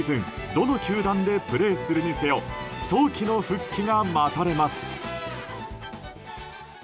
どの球団でプレーするにせよ早期の復帰が待たれます。